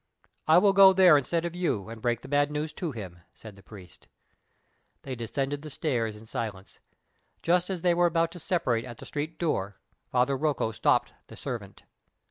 "I will go there instead of you, and break the bad news to him," said the priest. They descended the stairs in silence. Just as they were about to separate at the street door, Father Rocco stopped the servant.